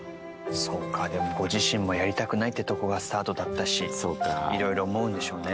そっかでもご自身もやりたくないってとこがスタートだったし色々思うんでしょうね